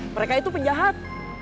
mereka itu penjahat